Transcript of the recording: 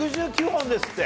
６９本ですって。